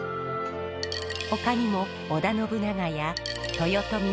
ほかにも織田信長や豊臣秀吉。